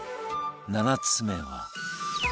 ７つ目は